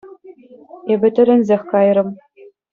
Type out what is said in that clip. Эпӗ тӗлӗнсех кайрӑм.